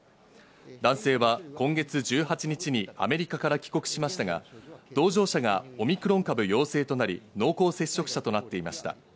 男性は今月１８日にアメリカから帰国しましたが、同乗者がオミクロン株陽性となり濃厚接触者となっていました。